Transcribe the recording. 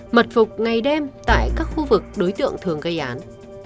mật phục ngày đêm tại các khu vực đối tượng thường gây án